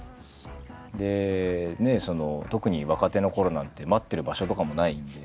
で特に若手のころなんて待ってる場所とかもないんで。